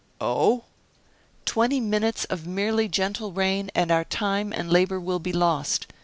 "Oh!" "Twenty minutes of merely gentle rain, and our time and labor will be lost.